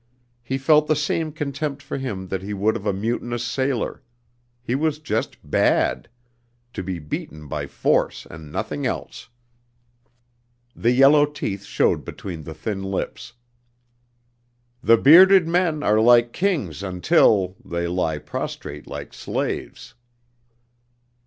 He felt the same contempt for him that he would of a mutinous sailor; he was just bad, to be beaten by force and nothing else. The yellow teeth showed between the thin lips. "The bearded men are like kings until they lie prostrate like slaves."